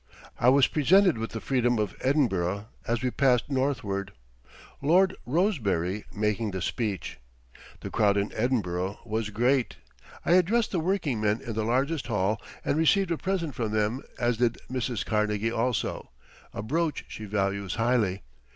I was presented with the Freedom of Edinburgh as we passed northward Lord Rosebery making the speech. The crowd in Edinburgh was great. I addressed the working men in the largest hall and received a present from them as did Mrs. Carnegie also a brooch she values highly.